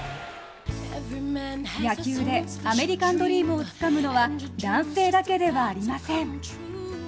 野球でアメリカンドリームをつかむのは男性だけではありません。